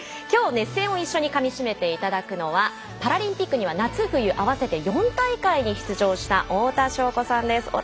きょう熱戦を一緒にかみしめていただくのはパラリンピックに夏冬合わせて４大会に出場した太田渉子さんです